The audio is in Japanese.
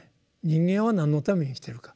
人間は何のために生きてるか。